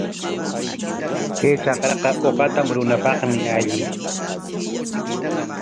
Kay trakraqa uqata murunapaqmi alli.